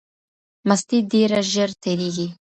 مستي ډیره ژر تېریږي.